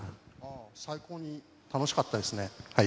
最高に楽しかったですね。